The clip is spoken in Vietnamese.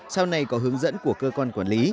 sau này có hướng dẫn của cơ quan quản lý